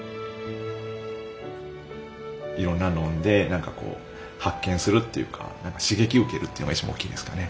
いろんな飲んで発見するっていうか何か刺激を受けるっていうのが一番おっきいですかね。